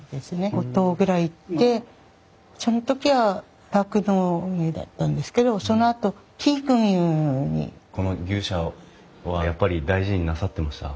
５頭ぐらいいてその時は酪農運営だったんですけどこの牛舎はやっぱり大事になさってました？